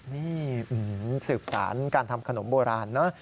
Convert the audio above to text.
นี่สืบสารการทำขนมโบราณนะ